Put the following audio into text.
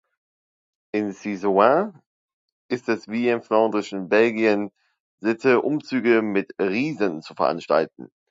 In Cysoing ist es wie im flandrischen Belgien Sitte, Umzüge mit „Riesen“ zu veranstalten.